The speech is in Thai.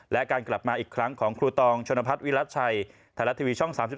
และการกลับมาอีกครั้งของครูตองชนพัฒน์วิรัติชัยไทยรัฐทีวีช่อง๓๒